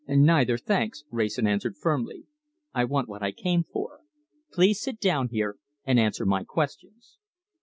"Neither, thanks!" Wrayson answered firmly. "I want what I came for. Please sit down here and answer my questions."